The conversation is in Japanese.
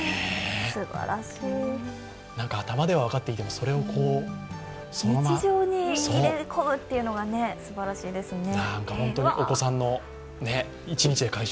なんか頭では分かっていても、それをそのまま日常に入れ込むというのがすばらしいですよね。